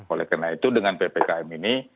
oleh karena itu dengan ppkm ini